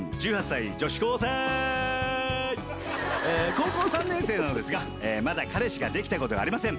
「高校３年生なのですが彼氏ができたことありません